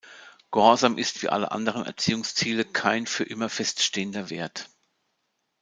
Gehorsam ist wie alle anderen Erziehungsziele kein für immer feststehender Wert.